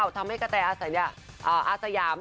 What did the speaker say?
ทำให้กะแตอาสยาม